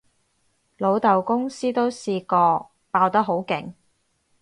老豆公司都試過爆得好勁